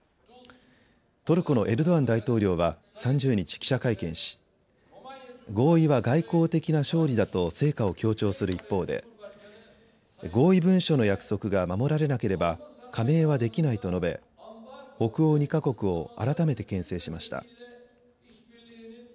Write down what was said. トルコのエルドアン大統領は３０日、記者会見し合意は外交的な勝利だと成果を強調する一方で合意文書の約束が守られなければ加盟はできないと述べ北欧２か国を改めてけん制しました。